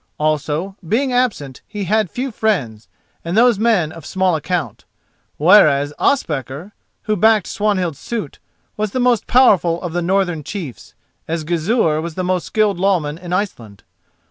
Also, being absent, he had few friends, and those men of small account; whereas Ospakar, who backed Swanhild's suit, was the most powerful of the northern chiefs, as Gizur was the most skilled lawman in Iceland.